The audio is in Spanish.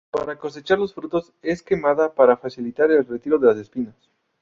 Para cosechar los frutos es quemada para facilitar el retiro de las espinas.